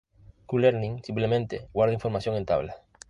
Q-learning simplemente guarda información en tablas.